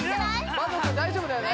坂東君大丈夫だよね？